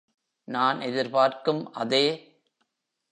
நான் எதிர்பார்க்கும் அதே.